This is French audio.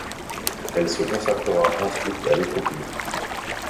Elle se consacrera ensuite à l'écriture.